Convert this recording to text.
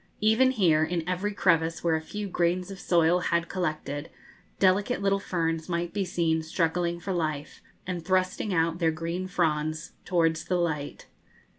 Even here, in every crevice where a few grains of soil had collected, delicate little ferns might be seen struggling for life, and thrusting out their green fronds towards the light.